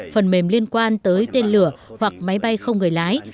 phần mềm liên quan tới tên lửa hoặc máy bay không người lái